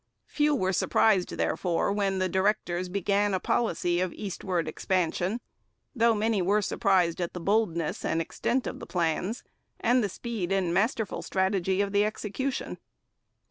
Few were surprised, therefore, when the directors began a policy of eastward expansion, though many were surprised at the boldness and extent of the plans and the speed and masterful strategy of the execution.